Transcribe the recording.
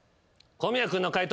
小宮君の解答